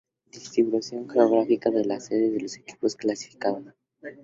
Distribución geográfica de las sedes de los equipos clasificados.